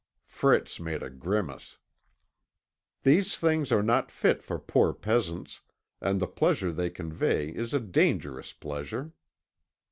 Fritz made a grimace. "These things are not fit for poor peasants, and the pleasure they convey is a dangerous pleasure."